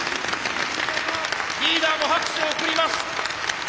リーダーも拍手を送ります。